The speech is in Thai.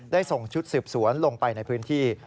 ส่งชุดสืบสวนลงไปในพื้นที่